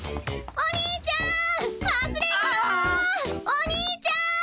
お兄ちゃん！